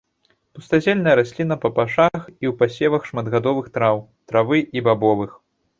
Пустазельная расліна па пашах і ў пасевах шматгадовых траў, травы і бабовых.